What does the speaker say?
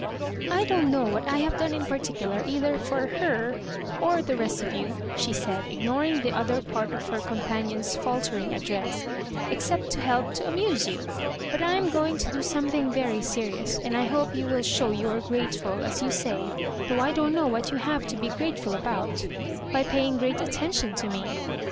" I don't know what I have done in particular, either for her or the rest d you," she said, ignor ing the other part of her oompanion's faltering address, '* except to help to amuse you; but I am going to do something very serious, and I hope you will show you are grateful, as you say — ^though I don't know what you have to be grateful about — by paying great attention to me.